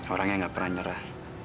orang yang gak pernah nyerah